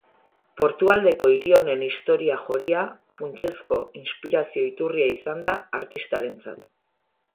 Portualdeko hiri honen historia joria funtsezko inspirazio iturria izan da artistarentzat.